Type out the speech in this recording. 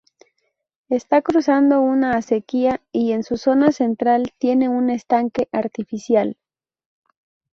Está cruzando una acequia y en su zona central tiene un estanque artificial.